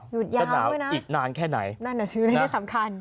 หยุดย้ำเลยนะนั่นจะซื้อได้สำคัญจะหนาวอีกนานแค่ไหน